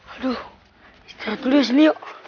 aduh istirahat dulu ya sini yuk